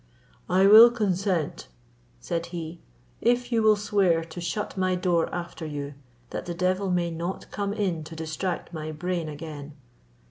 "I will consent," said he, "if you will swear to shut my door after you, that the devil may not come in to distract my brain again."